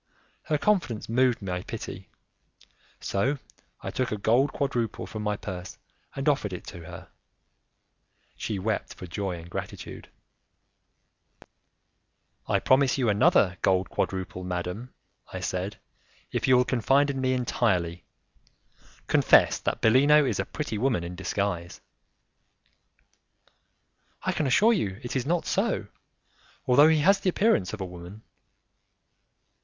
Her confidence moved my pity, so I took a gold quadruple from my purse and offered it to her; she wept for joy and gratitude. "I promise you another gold quadruple, madam," I said, "if you will confide in me entirely. Confess that Bellino is a pretty woman in disguise." "I can assure you it is not so, although he has the appearance of a woman."